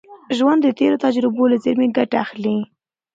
ژوند د تېرو تجربو له زېرمي ګټه اخلي.